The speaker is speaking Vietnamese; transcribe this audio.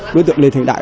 đối tượng lê thanh đại